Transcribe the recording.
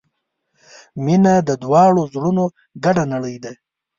• مینه د دواړو زړونو ګډه نړۍ ده.